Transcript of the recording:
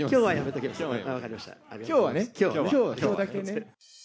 分かきょうだけね。